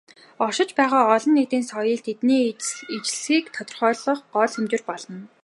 Оршин байгаа "олон нийтийн соёл" тэдний ижилслийг тодорхойлох гол хэмжүүр болно.